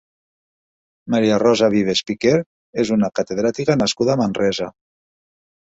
Maria Rosa Vives Piqué és una catedràtica nascuda a Manresa.